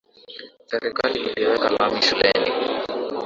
Serikali iliweka lami shuleni